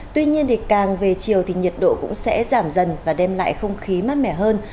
tuy nhiên thì càng về chiều thì nhiệt độ cũng sẽ giảm dần và đem lại không khí mát mẻ hơn